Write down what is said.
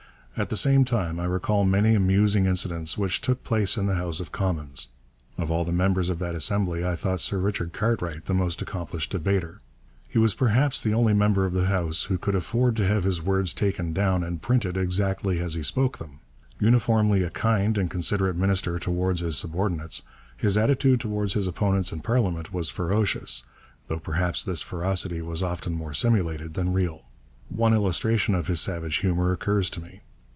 At the same time I recall many amusing incidents which took place in the House of Commons. Of all the members of that assembly I thought Sir Richard Cartwright the most accomplished debater. He was perhaps the only member of the House who could afford to have his words taken down and printed exactly as he spoke them. Uniformly a kind and considerate minister towards his subordinates, his attitude towards his opponents in parliament was ferocious, though perhaps this ferocity was often more simulated than real. One illustration of his savage humour occurs to me.